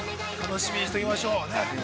楽しみにしときましょう。